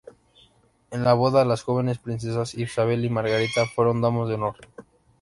En la boda, las jóvenes princesas Isabel y Margarita fueron damas de honor.